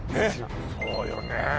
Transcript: そうよね